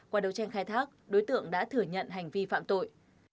qua đấu tranh khai thác đối tượng đã thừa nhận hành vi phạm tội